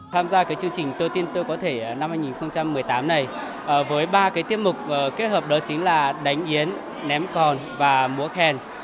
tham gia cái chương trình tôi tin tôi có thể năm hai nghìn một mươi tám này với ba cái tiết mục kết hợp đó chính là đánh yến ném còn và múa khen